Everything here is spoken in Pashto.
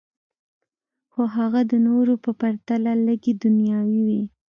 خو هغه د نورو په پرتله لږې دنیاوي وې